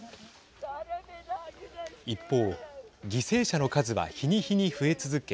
一方、犠牲者の数は日に日に増え続け